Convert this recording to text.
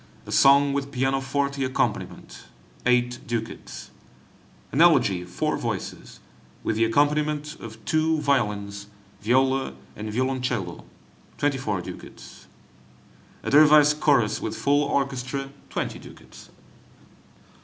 A Song with pianoforte accompaniment, 8 ducats. An Elegy, four voices, with the accompaniment of two violins, viola, and violoncello, 24 ducats. A Dervise Chorus, with full orchestra, 20 ducats.